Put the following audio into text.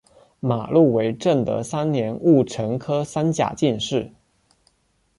马录为正德三年戊辰科三甲进士。